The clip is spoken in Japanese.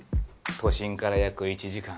都心から約１時間。